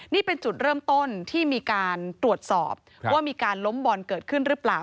นี่เป็นจุดเริ่มต้นที่มีการตรวจสอบว่ามีการล้มบอลเกิดขึ้นหรือเปล่า